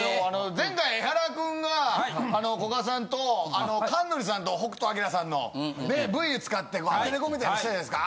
前回エハラ君が古賀さんと神取さんと北斗晶さんのＶを使ってアテレコみたいのしたじゃないですか。